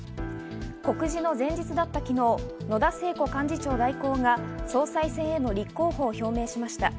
告示の前日だった昨日、野田聖子幹事長代行が総裁選への立候補を表明しました。